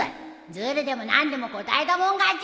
ずるでも何でも答えたもん勝ち！